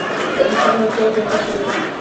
د انسان وړتیا زیاته شوې ده.